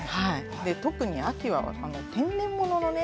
で特に秋は天然物のね